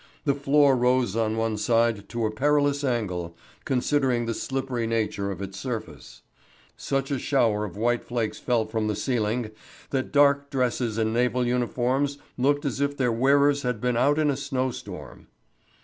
The floor rose on one side to a perilous angle, considering the slippery nature of its surface. Such a shower of white flakes fell from the ceiling that dark dresses and naval uniforms looked as if their wearers had been out in a snowstorm.